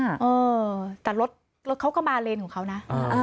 เออแต่รถเขาก็มาเลนของเขานะ